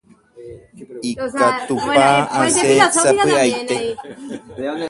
Ikatúpa asẽ sapy'aite.